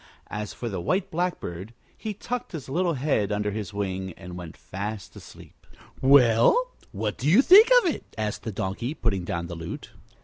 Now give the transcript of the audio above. As for the White Blackbird, he tucked his little head under his wing and went fast asleep. "Well, what do you think of it?" asked the Donkey, putting down the lute.